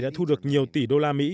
đã thu được nhiều tỷ đô la mỹ